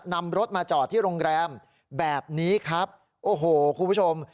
นำรถมาจอดที่โรงแรมแบบนี้ครับโอ้โหคุณผู้ชม